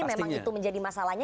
memang itu menjadi masalahnya